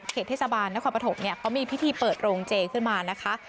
เทศบาลนครปฐมเนี่ยเขามีพิธีเปิดโรงเจขึ้นมานะคะ